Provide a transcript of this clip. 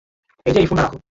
এই যে, এই ফোনটা রাখো।